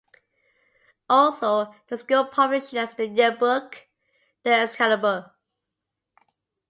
Also the school publishes the yearbook, The Excalibur.